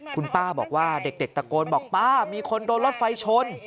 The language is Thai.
คุณป้าบอกว่าเด็กตะโกนบอกป้ามีคนโดนรถไฟชน